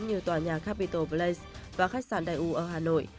như tòa nhà capitol place và khách sạn đại u ở hà nội